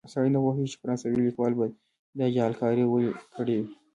سړی نه پوهېږي چې فرانسوي لیکوال به دا جعلکاري ولې کړې وي.